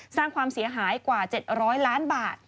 สร้างความเสียหายกว่า๗๐๐ล้านบาท